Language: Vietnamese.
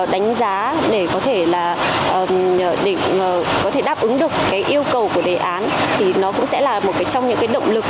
để có thể đáp ứng được yêu cầu của đề án thì nó cũng sẽ là một trong những động lực